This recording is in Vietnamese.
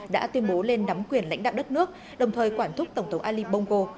đã tuyên bố lên nắm quyền lãnh đạo đất nước đồng thời quản thúc tổng thống ali bongo